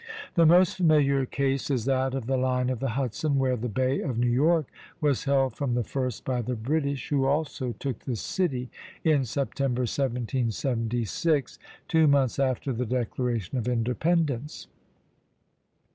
The most familiar case is that of the line of the Hudson, where the Bay of New York was held from the first by the British, who also took the city in September, 1776, two months after the Declaration of Independence.